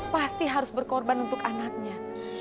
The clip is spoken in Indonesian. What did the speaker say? pasti harus berkorban untuk anaknya